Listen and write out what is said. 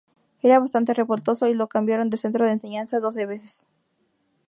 Era bastante revoltoso, y lo cambiaron de centro de enseñanza doce veces.